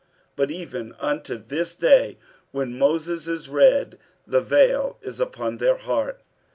47:003:015 But even unto this day, when Moses is read, the vail is upon their heart.